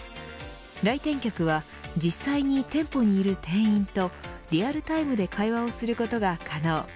来店客は実際に店舗にいる店員とリアルタイムで会話をすることが可能。